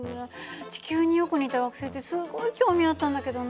地球によく似た惑星ってすごい興味あったんだけどな。